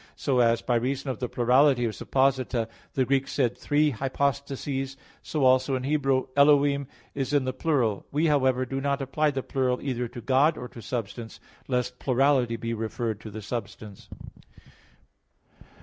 So as by reason of the plurality of supposita the Greeks said "three hypostases," so also in Hebrew "Elohim" is in the plural. We, however, do not apply the plural either to "God" or to "substance," lest plurality be referred to the substance.